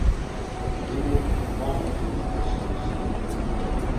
Himuk ma upi mikosams.